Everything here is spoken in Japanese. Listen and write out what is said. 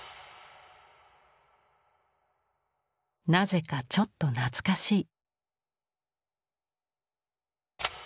なぜかちょっと懐かしい。